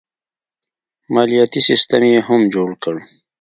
مالیاتي سیستم یې هم جوړ کړ.